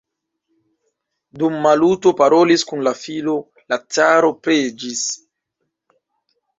Dum Maluto parolis kun la filo, la caro preĝis.